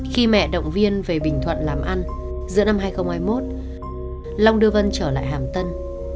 khi mẹ động viên về bình thuận làm ăn giữa năm hai nghìn hai mươi một long đưa vân trở lại hàm tân